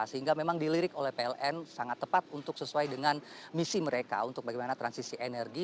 sehingga memang dilirik oleh pln sangat tepat untuk sesuai dengan misi mereka untuk bagaimana transisi energi